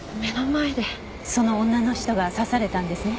その女の人が刺されたんですね？